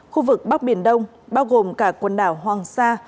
khu vực bắc biển đông bao gồm cả quần đảo hoàng sa